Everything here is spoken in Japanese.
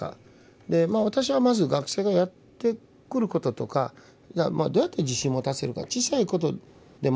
で私はまず学生がやってくることとかどうやって自信持たせるか。